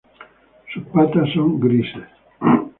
Sus patas son grises.